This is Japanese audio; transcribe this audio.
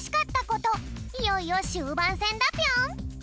いよいよしゅうばんせんだぴょん！